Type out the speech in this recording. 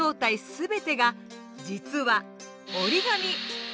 すべてが実は「折り紙」！